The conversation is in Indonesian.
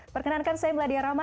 perkenankan saya meladia rama